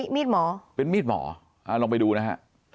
มีดหมอเป็นมีดหมอลองไปดูนะฮะ